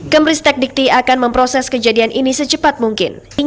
kemristek dikti akan memproses kejadian ini secepat mungkin